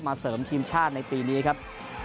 เสริมทีมชาติในปีนี้ครับ